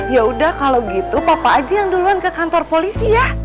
ya udah kalau gitu papa aja yang duluan ke kantor polisi ya